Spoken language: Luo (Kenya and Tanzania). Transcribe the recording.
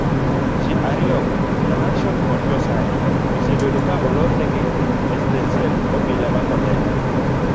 ji ariyogo nahason kod josiah osebedo ka olornegi estesend obila ma kondele